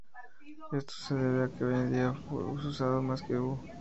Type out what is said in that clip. Esto se debe a que hoy en día "fu" es usado más que "hu".